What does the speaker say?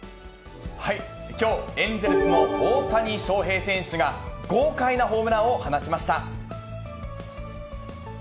きょう、エンゼルスの大谷翔平選手が、豪快なホームランを放ちました。